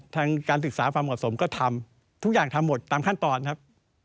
ทางการศึกษาความเหมาะสมก็ทำทุกอย่างทำหมดตามขั้นตอนครับ